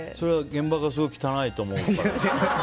現場がすごく汚いと思うから？